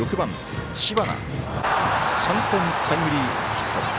知花が３点タイムリーヒット。